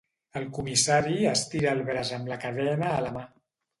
El comissari estira el braç amb la cadena a la mà.